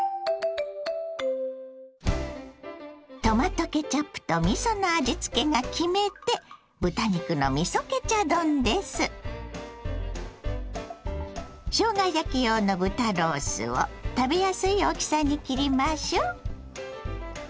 トマトケチャップとみその味付けが決め手しょうが焼き用の豚ロースを食べやすい大きさに切りましょう。